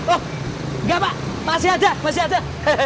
oh enggak pak masih aja masih ada